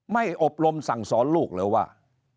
อบรมสั่งสอนลูกเลยว่า